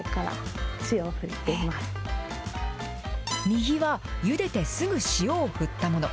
右は、ゆでですぐ塩を振ったもの。